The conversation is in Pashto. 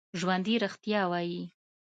ژوندي رښتیا وايي